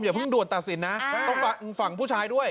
เพิ่งด่วนตัดสินนะต้องฝั่งผู้ชายด้วย